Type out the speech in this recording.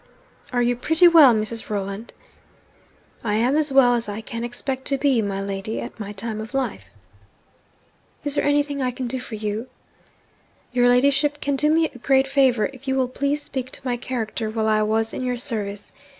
'Are you pretty well, Mrs. Rolland?' 'I am as well as I can expect to be, my lady, at my time of life.' 'Is there anything I can do for you?' 'Your ladyship can do me a great favour, if you will please speak to my character while I was in your service.